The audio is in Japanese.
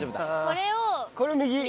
これを右。